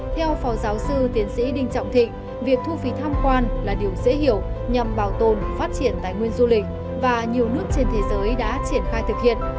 theo phó giáo sư tiến sĩ đinh trọng thịnh việc thu phí tham quan là điều dễ hiểu nhằm bảo tồn phát triển tài nguyên du lịch và nhiều nước trên thế giới đã triển khai thực hiện